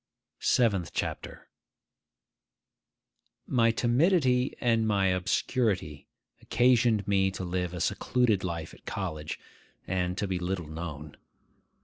SEVENTH CHAPTER MY timidity and my obscurity occasioned me to live a secluded life at college, and to be little known.